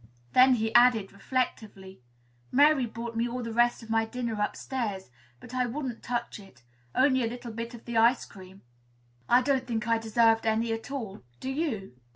Then he added, reflectively, "Mary brought me all the rest of my dinner upstairs; but I wouldn't touch it, only a little bit of the ice cream. I don't think I deserved any at all; do you?"